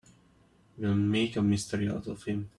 We'll make a mystery out of him.